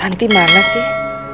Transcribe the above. tante mana sih